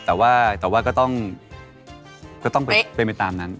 แต่ว่าก็ต้องเป็นไปตามนั้น